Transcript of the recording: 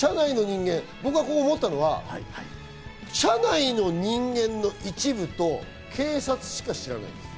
僕が思ったのは社内の人間の一部と警察しか知らない。